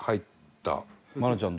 愛菜ちゃん